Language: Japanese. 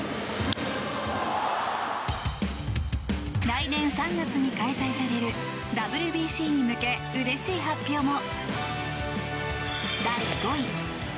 来年３月に開催されるＷＢＣに向け、うれしい発表も。